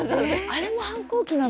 あれも反抗期なんだ。